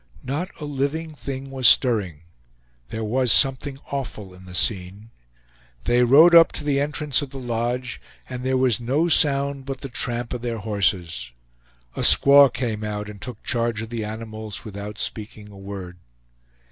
Not a living thing was stirring there was something awful in the scene. They rode up to the entrance of the lodge, and there was no sound but the tramp of their horses. A squaw came out and took charge of the animals, without speaking a word.